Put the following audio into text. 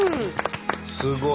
すごい！